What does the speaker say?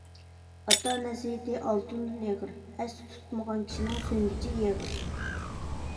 ئاتا نەسىھەتى ئالتۇندىن ئېغىر، ئەستە تۇتمىغان كىشىنىڭ سۆڭگىچى يېغىر.